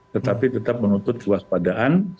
tetapi tetap menuntut kewaspadaan